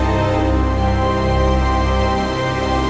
dan bitumen mental yangquestianya